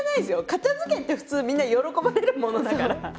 片づけって普通みんな喜ばれるものだから。